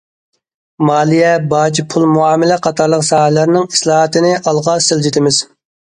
مالىيە، باج، پۇل مۇئامىلە قاتارلىق ساھەلەرنىڭ ئىسلاھاتىنى ئالغا سىلجىتىمىز.